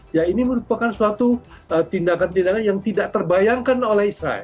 ya ini merupakan suatu tindakan tindakan yang tidak terbayangkan oleh israel